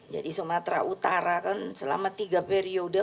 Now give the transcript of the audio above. jadi sumatera utara kan selama tiga periode